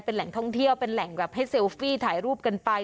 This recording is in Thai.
เป็นแหล่งท่องเที่ยวเป็นแหล่งแบบให้เซลฟี่ถ่ายรูปกันไป